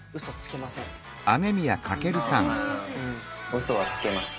ウソはつけます。